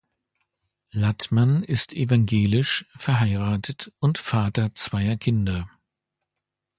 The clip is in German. Lattmann ist evangelisch, verheiratet und Vater zweier Kinder.